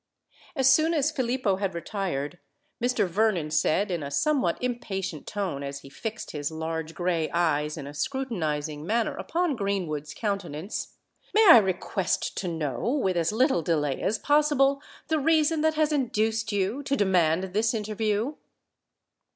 As soon as Filippo had retired, Mr. Vernon said in a somewhat impatient tone, as he fixed his large grey eyes in a scrutinising manner upon Greenwood's countenance, "May I request to know, with as little delay as possible, the reason that has induced you to demand this interview?"